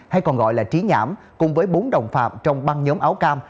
hay còn gọi là trí nhãm cùng với bốn đồng phạm trong băng nhóm áo cam